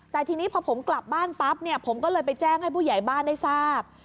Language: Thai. แต่ทีนี้พอผมกลับบ้านปั๊บเนี่ยผมก็เลยไปแจ้งให้ผู้ใหญ่บ้านได้ทราบ